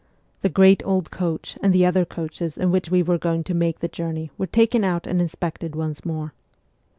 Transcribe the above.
The great old coach and the other coaches in which we were going to make the journey were taken out and inspected once more.